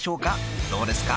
［どうですか？］